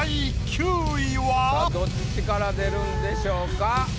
さぁどっちから出るんでしょうか？